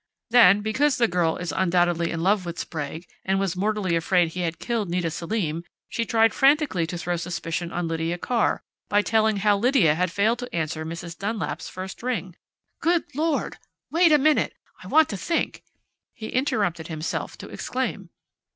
Then because the girl is undoubtedly in love with Sprague and was mortally afraid he had killed Nita Selim, she tried frantically to throw suspicion on Lydia Carr, by telling how Lydia had failed to answer Mrs. Dunlap's first ring Good Lord! Wait a minute! I want to think!" he interrupted himself to exclaim.